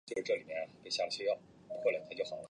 关于参数类型的声明是可选的。